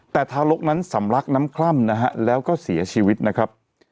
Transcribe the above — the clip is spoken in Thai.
แต่ทารกนั้นสำลักน้ำคล่ำนะฮะแล้วก็เสียชีวิตนะครับ